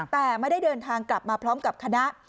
แต่ไม่ได้เดินทางกลับมาพร้อมกับคณะ